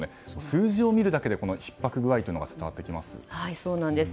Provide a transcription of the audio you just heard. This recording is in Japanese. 数字を見るだけでひっ迫具合が伝わってきます。